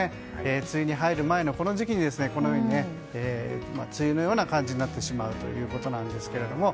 梅雨に入る前のこの時期にこのように梅雨のような感じになってしまうという感じです。